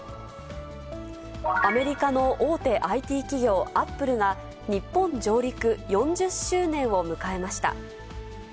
アメリカの大手ＩＴ企業、Ａｐｐｌｅが、日本上陸４０周年を迎えました。